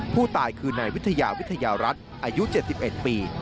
ผู้ตายคือนายวิทยาวิทยารัฐอายุ๗๑ปี